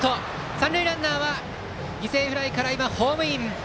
三塁ランナーは犠牲フライからホームイン。